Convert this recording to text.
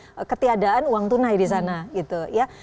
nah kita meng cover kebutuhan ketiadaan uang tunai di sana gitu ya